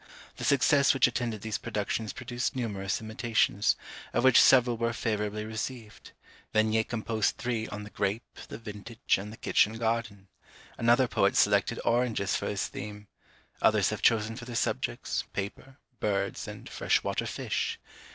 The success which attended these productions produced numerous imitations, of which several were favourably received. Vanière composed three on the Grape, the Vintage, and the Kitchen Garden. Another poet selected Oranges for his theme; others have chosen for their subjects, Paper, Birds, and fresh water Fish.